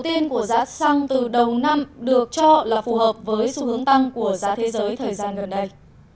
đầu tiên của giá xăng từ đầu năm được cho là phù hợp với xu hướng tăng của giá thế giới thời gian gần đây